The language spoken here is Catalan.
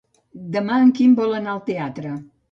Demà en Quim vol anar al teatre.